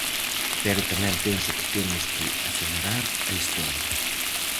Pero tamén penso que temos que acelerar a historia.